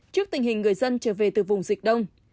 trước tình hình người dân trở về từ vùng dịch đông